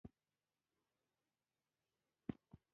څنګه کولی شم د ماشومانو لپاره د جنت د ابدي ژوند بیان کړم